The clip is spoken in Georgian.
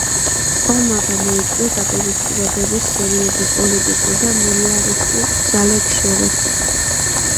ომმა გამოიწვია დაპირისპირებების სერიები პოლიტიკურ და მილიტარისტულ ძალებს შორის.